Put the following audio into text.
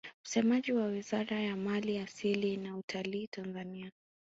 Msemaji wa Wizara ya mali asili na utalii Tanzania